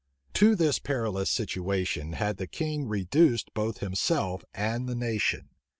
To this perilous situation had the king reduced both himself and the nation.